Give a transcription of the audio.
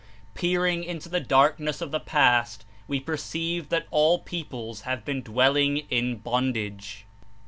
Peering Into the darkness of the past we perceive that all peoples have been dwelling in bond age.